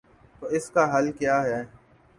تو اس کا حل کیا ہے؟